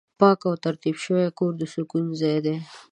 پاک او ترتیب شوی کور د سکون ځای دی.